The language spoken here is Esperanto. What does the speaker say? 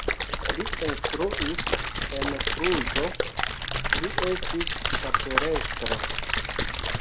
Li instruis en Kluĵo, li estis kapelestro.